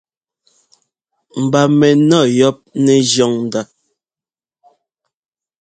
Mba mɛnɔ́ yɔ́p nɛ́jʉ̈n ndá.